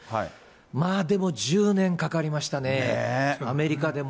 まあ、でも１０年かかりましたね、アメリカでも。